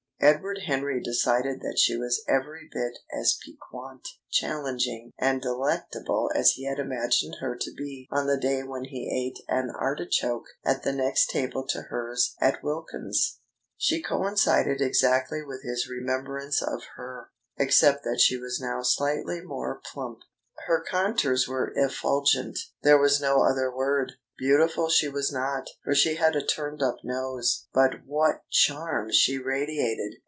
Edward Henry decided that she was every bit as piquant, challenging, and delectable as he had imagined her to be on the day when he ate an artichoke at the next table to hers at Wilkins's. She coincided exactly with his remembrance of her, except that she was now slightly more plump. Her contours were effulgent there was no other word. Beautiful she was not, for she had a turned up nose; but what charm she radiated!